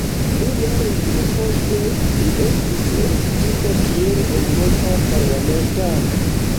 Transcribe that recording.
Du jarojn poste, li estis elektita kiel eŭropa parlamentano.